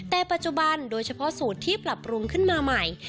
แต่ปัจจุบันโดยเฉพาะสูตรที่ปรับปรุงขึ้นมาใหม่